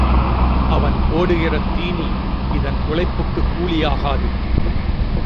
அவன் போடுகிற தீனி இதன் உழைப்புக்குக் கூலியாகாது.